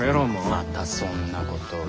またそんなことを。